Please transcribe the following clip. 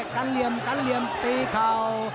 กันเหลี่ยมกันเหลี่ยมตีเข่า